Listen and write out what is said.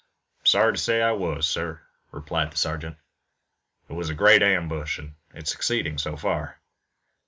"I'm sorry to say I was, sir," replied the sergeant. "It was a great ambush, and it's succeeding so far."